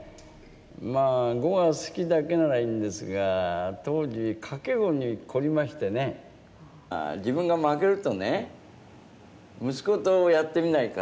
まあ碁が好きだけならいいんですが当時自分が負けるとね「息子とやってみないか？」